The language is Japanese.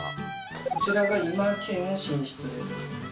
こちらが居間兼寝室です。